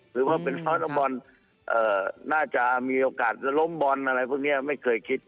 หรือว่าเป็นเพราะบอลน่าจะมีโอกาสล้มบอลอะไรพวกนี้ไม่เคยคิด